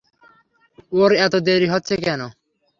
ওর এত দেরী হচ্ছে কেন?